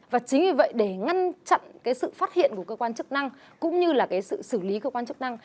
và chính vì vậy để ngăn chặn cái sự phát hiện của cơ quan chức năng cũng như là cái sự xử lý cơ quan chức năng